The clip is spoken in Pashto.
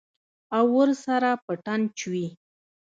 او ورسره پټن چوي.